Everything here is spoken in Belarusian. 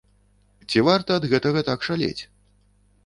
Ці варта ад гэтага так шалець?